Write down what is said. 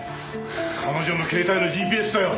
彼女の携帯のＧＰＳだよ。